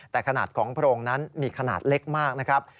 แต่ขนาดของโพรงนั้นมีขนาดเล็กมากนะครับ